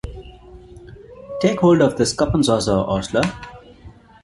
Take hold of this cup and saucer, ostler.